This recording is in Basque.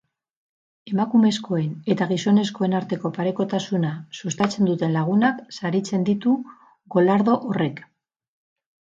Emakumezkoen eta gizonezkoen arteko parekotasuna sustatzen duten lagunak saritzen ditu golardo horrek.